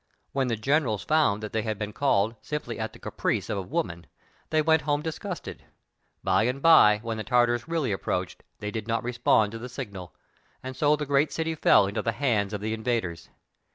When the generals found that they had been called simply at the caprice of a woman they went home disgusted; by and hy^ when the Tartars really approached, they did not respond to the signal, and so the great city fell into the hands of the invaders.